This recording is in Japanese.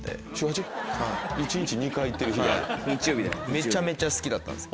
めちゃめちゃ好きだったんです。